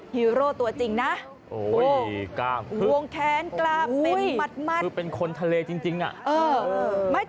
ฮีโร่ตัวจริงนะวงแขนกราบเป็นมัดคือเป็นคนทะเลจริงน่ะ